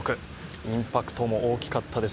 インパクトも大きかったです。